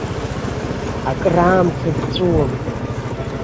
Акраамҭа дҵәуон.